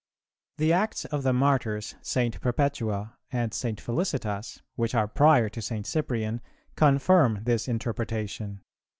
The Acts of the Martyrs St. Perpetua and St. Felicitas, which are prior to St. Cyprian, confirm this interpretation.